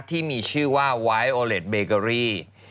ที่มีชื่อว่าไวท์โอเล็ตเบเกอรี่